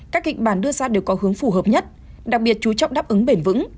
các kịch bản đưa ra đều có hướng phù hợp nhất đặc biệt chú trọng đáp ứng bền vững